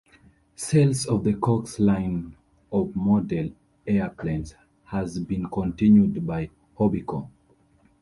Sales of the Cox line of model airplanes has been continued by Hobbico.